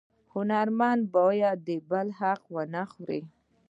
هنرمن باید د بل حق ونه خوري